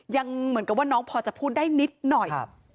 เหมือนกับว่าน้องพอจะพูดได้นิดหน่อย